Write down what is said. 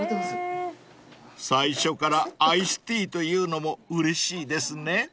［最初からアイスティーというのもうれしいですね］